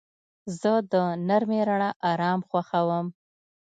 زه د نرمې رڼا آرام خوښوم.